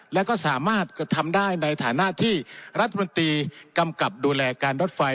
และก็สามารถกระทำได้ในฐานะที่รัฐมนตรีกำกับดูแลการรถไฟ